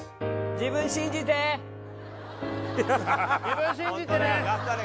自分信じてね